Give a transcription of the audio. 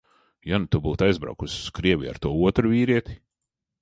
Ja nu tu būtu aizbraukusi uz Krieviju ar to otru vīrieti?